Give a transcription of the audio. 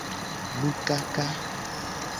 Nukaka.